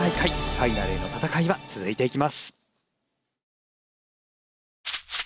ファイナルへの戦いは続いていきます。